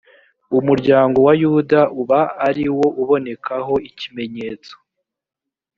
umuryango wa yuda uba ari wo ubonekaho ikimenyetso.